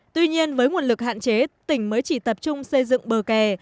tuy nhiên với nguồn lực hạn chế tỉnh mới chỉ tập trung xây dựng bờ kè